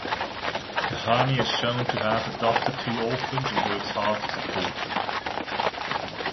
Kahani is shown to have adopted two orphans and works hard to support them.